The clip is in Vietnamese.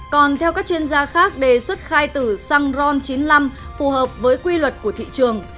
còn theo các chuyên gia khác đề xuất khai từ xăng ron chín mươi năm phù hợp với quy luật kinh tế kỹ thuật